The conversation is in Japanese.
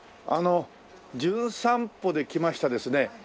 あの『じゅん散歩』で来ましたですね